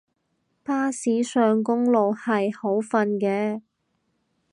巴士上公路係好瞓嘅